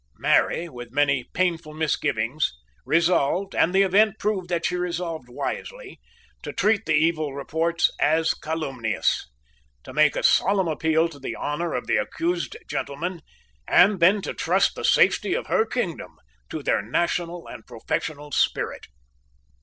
Mary, with many painful misgivings, resolved, and the event proved that she resolved wisely, to treat the evil reports as calumnious, to make a solemn appeal to the honour of the accused gentlemen, and then to trust the safety of her kingdom to their national and professional spirit.